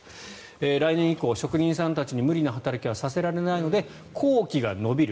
来年以降、職人さんたちに無理な働きはさせられないので工期が延びる